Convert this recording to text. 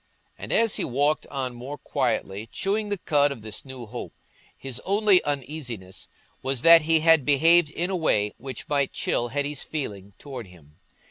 And as he walked on more quietly, chewing the cud of this new hope, his only uneasiness was that he had behaved in a way which might chill Hetty's feeling towards him.